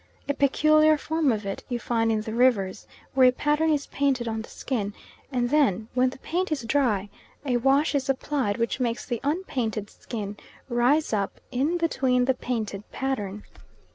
A peculiar form of it you find in the Rivers, where a pattern is painted on the skin, and then when the paint is dry, a wash is applied which makes the unpainted skin rise up in between the painted pattern.